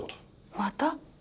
また？